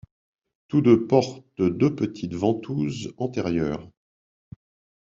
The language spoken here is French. Tous deux portent deux petites ventouses antérieures.